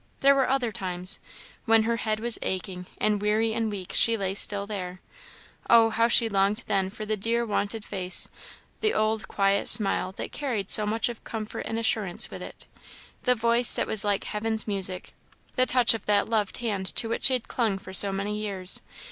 There were other times when her head was aching, and, weary and weak, she lay still there oh, how she longed then for the dear wonted face, the old quiet smile that carried so much of comfort and assurance with it, the voice that was like heaven's music, the touch of that loved hand to which she had clung for so many years!